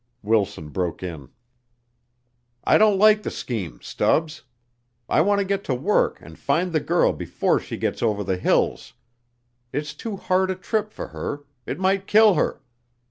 Wilson broke in. "I don't like the scheme, Stubbs. I want to get to work and find the girl before she gets over the hills. It's too hard a trip for her it might kill her.